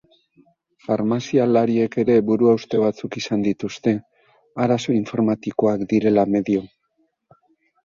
Farmazialariek ere buruhauste batzuk izan dituzte, arazo informatikoak direla medio.